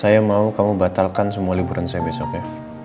saya mau kamu batalkan semua liburan saya besok ya